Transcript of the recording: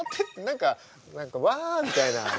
何か「わ」みたいな。